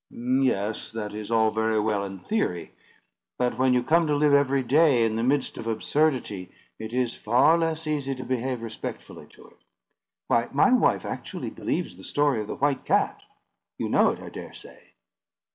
"Yes, that is all very well in theory; but when you come to live every day in the midst of absurdity, it is far less easy to behave respectfully to it. Why, my wife actually believes the story of the 'White Cat.' You know it, I dare say."